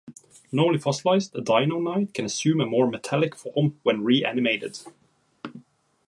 Normally fossilized, a Dino Knight can assume a more metallic form when re-animated.